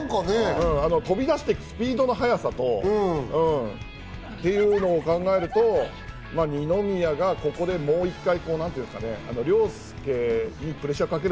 あの飛び出していくスピードの速さとっていうの考えると、二宮がここでもう一回、凌介にプレッシャーをかける。